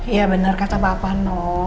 iya benar kata papa noh